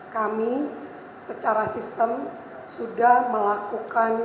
kami secara sistem sudah melakukan